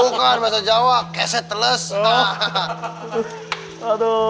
bukan bahasa jawa keseteles